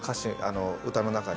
歌の中に。